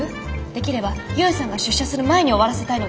できれば勇さんが出社する前に終わらせたいので。